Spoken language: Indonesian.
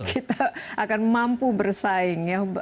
kita akan mampu bersaing ya